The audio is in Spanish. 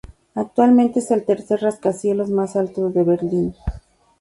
Actualmente es el tercer rascacielos más alto de Berlín.